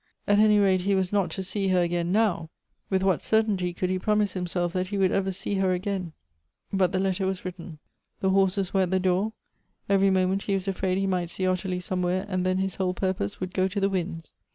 At any rate he was not to see her again now — with what certainty could he prom ise himself that he would ever see her again ? But the letter was written — the horses were at the door; every moment he was afraid he might see Ottilie somewhere, .and then l)is whole purpose would go to the winds.